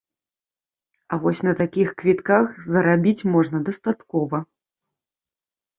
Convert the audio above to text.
А вось на такіх квітках зарабіць можна дастаткова.